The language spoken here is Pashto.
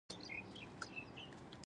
لومړۍ لاره انفسي تغییر ده.